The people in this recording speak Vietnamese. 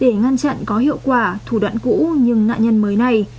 để ngăn chặn có hiệu quả thủ đoạn cũ nhưng nạn nhân mới này